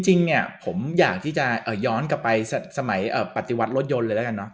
จริงเนี่ยผมอยากที่จะย้อนกลับไปสมัยปฏิวัติรถยนต์เลยแล้วกันเนอ